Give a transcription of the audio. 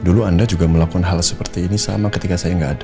dulu anda juga melakukan hal seperti ini sama ketika saya nggak ada